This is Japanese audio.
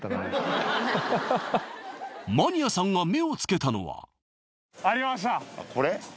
マニアさんが目を付けたのはあこれ？